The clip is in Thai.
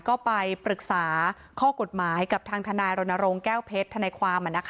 ก็ไปปรึกษาข้อกฎหมายกับทางธนาฬิบัติบนโรนโรงแก้วเพชรอธนาความ